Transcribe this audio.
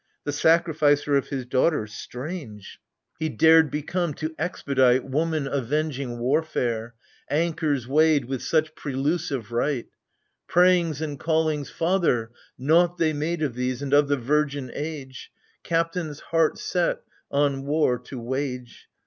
The sacrificer of his daughter — strange !— 20 AGAMEMNON. He dared become, to expedite Woman avenging warfare, — anchors weighed With such prelusive rite ! Prayings and callings " Father" — naught they made Of these, and of the virgin age, — Captains heart set on war to wage